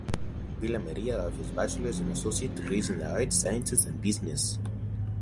Villa Maria offers bachelor's and associate degrees in the arts, sciences, and business.